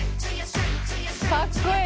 かっこいい！